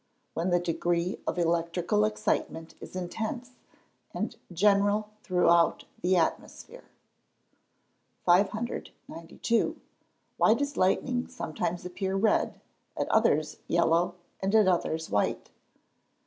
_ When the degree of electrical excitement is intense, and general throughout the atmosphere. 592. _Why does lightning sometimes appear red, at others yellow, and at others white?